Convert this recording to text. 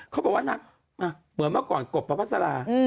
เขาบอกว่านางเหมือนเมื่อก่อนกบประพัสรา